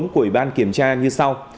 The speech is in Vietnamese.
của ủy ban kiểm tra như sau